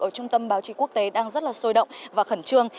ở trung tâm báo chí quốc tế đang rất là sôi động và khẩn trương